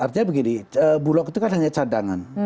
artinya begini bulog itu kan hanya cadangan